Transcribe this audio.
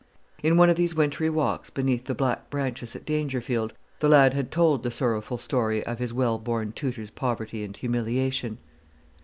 In one of these wintry walks beneath the black branches at Dangerfield, the lad had told the sorrowful story of his well born tutor's poverty and humiliation.